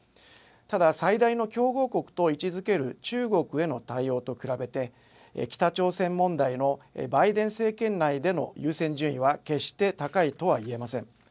ただ最大の競合国と位置づける中国への対応と比べて北朝鮮問題のバイデン政権内での優先順位は決して高いとは言えません。